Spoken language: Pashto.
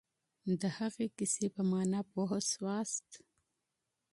د هغې کیسې په مانا پوه سواست؟